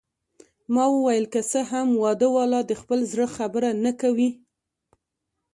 ما وویل: که څه هم واده والا د خپل زړه خبره نه کوي.